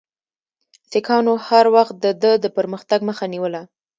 سیکهانو هر وخت د ده د پرمختګ مخه نیوله.